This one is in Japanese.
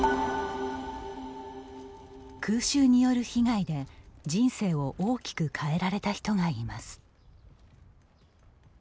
空襲による被害で人生を大きく変えられた人がいます。